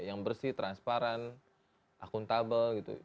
yang bersih transparan akuntabel gitu